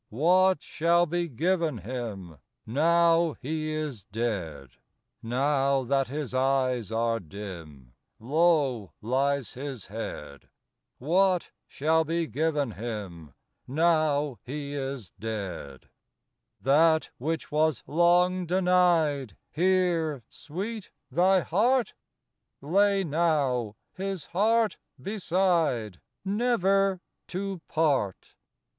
What shall be given him, Now he is dead? Now that his eyes are dim, Low lies his head? What shall be given him, Now he is dead? That which was long denied Here, Sweet, thy heart Lay now his heart beside, Never to part.